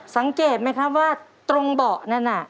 สังเกตไหมครับว่าตรงเบาะนั่นน่ะ